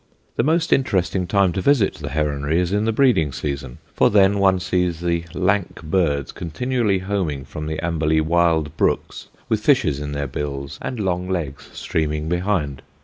The most interesting time to visit the heronry is in the breeding season, for then one sees the lank birds continually homing from the Amberley Wild Brooks with fishes in their bills and long legs streaming behind.